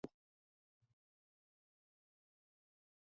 He now lives in Saint John's, Newfoundland and Labrador.